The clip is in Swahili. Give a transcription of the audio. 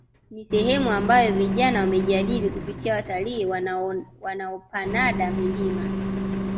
Ni sehemu ambayo vijana wamejiajiri kupitia watalii wanaopanada milima